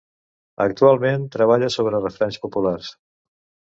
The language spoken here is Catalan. Actualment, treballa sobre refranys populars.